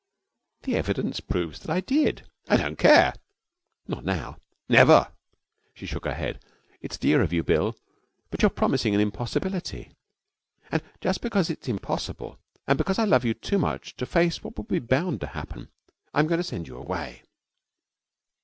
'The evidence proves that I did.' 'I don't care.' 'Not now.' 'Never.' She shook her head. 'It's dear of you, Bill, but you're promising an impossibility. And just because it's impossible, and because I love you too much to face what would be bound to happen, I'm going to send you away.'